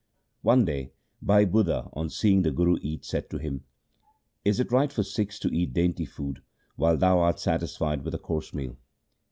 One day Bhai Budha, on seeing the Guru eat, said to him, ' Is it right for the Sikhs to eat dainty food while thou art satisfied with a coarse meal